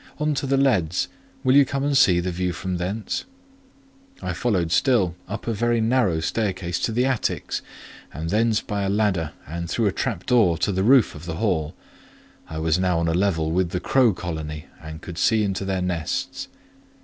"On to the leads; will you come and see the view from thence?" I followed still, up a very narrow staircase to the attics, and thence by a ladder and through a trap door to the roof of the hall. I was now on a level with the crow colony, and could see into their nests.